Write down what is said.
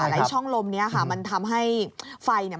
ไอ้ช่องลมนี้ค่ะมันทำให้ไฟเนี่ย